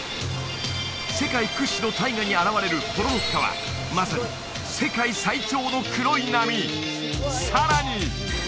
世界屈指の大河に現れるポロロッカはまさに世界最長の黒い波さらに！